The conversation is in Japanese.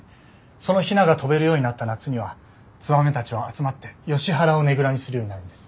そのヒナが飛べるようになった夏にはツバメたちは集まってヨシ原をねぐらにするようになるんです。